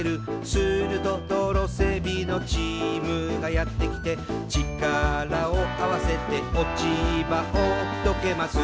「すると道路整備のチームがやってきて」「ちからをあわせて落ち葉をどけます」